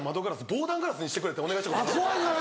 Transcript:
防弾ガラスにしてくれってお願いしたことあるんですよ。